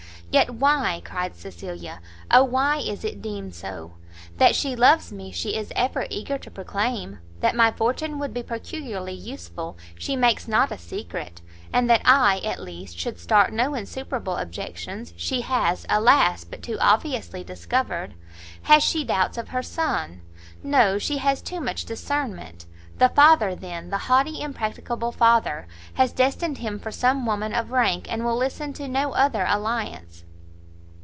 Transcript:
"Yet why," cried Cecilia, "oh why is it deemed so! that she loves me, she is ever eager to proclaim, that my fortune would be, peculiarly useful, she makes not a secret, and that I, at least, should start no insuperable objections, she has, alas! but too obviously discovered! Has she doubts of her son? no, she has too much discernment; the father, then, the haughty, impracticable father, has destined him for some woman of rank, and will listen to no other alliance."